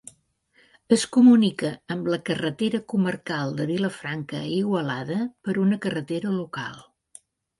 Es comunica amb la carretera comarcal de Vilafranca a Igualada per una carretera local.